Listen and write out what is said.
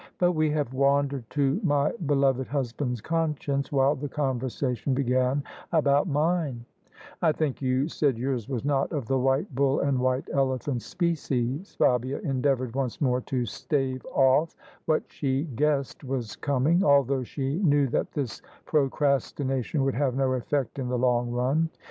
But we have wandered to my beloved husband's conscience, while the conversation began about mine." " I think you said yours was not of the white bull and white elephant species?" Fabia endeavoured once more to stave off what she guessed was coming, although she knew that this procrastination would have no effect in the long run.